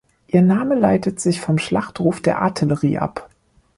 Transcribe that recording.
Ihr Name leitet sich vom Schlachtruf der Artillerie ab.